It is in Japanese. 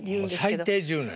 最低１０年。